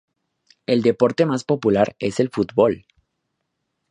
El deporte más popular es el fútbol.